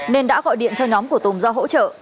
nên đã gọi điện cho nhóm của tùng ra hỗ trợ